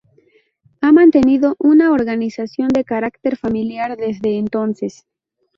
Ha mantenido una organización de carácter familiar desde entonces.